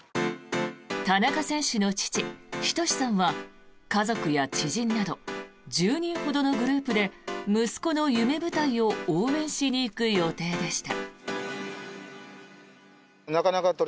田中選手の父・斉さんは家族や知人など１０人ほどのグループで息子の夢舞台を応援しに行く予定でした。